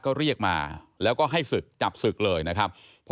ก็เรียกมาแล้วก็ให้ศึกจับศึกเลยนะครับ